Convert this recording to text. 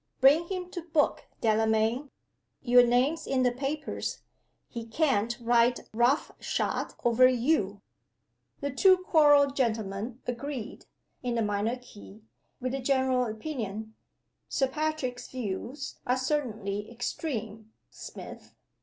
Bring him to book, Delamayn. Your name's in the papers; he can't ride roughshod over You." The two choral gentlemen agreed (in the minor key) with the general opinion. "Sir Patrick's views are certainly extreme, Smith?"